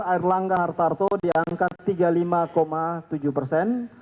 air langga hartarto diangkat tiga puluh lima tujuh persen